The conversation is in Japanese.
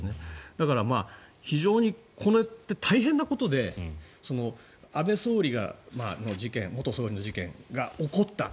だから非常にこれって大変なことで安倍元総理の事件が起こった。